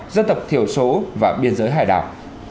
dân tộc thiểu số và biên giới hải đảo